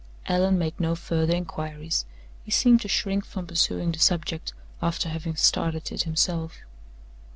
Allan made no further inquiries. He seemed to shrink from pursuing the subject, after having started it himself.